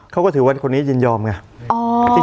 เขาก็ถือว่าคนนี้ยินยอมไง